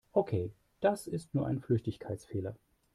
Okay, das ist nur ein Flüchtigkeitsfehler.